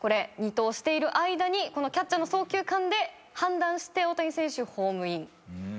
二盗している間にキャッチャーの送球間で判断して大谷選手ホームイン。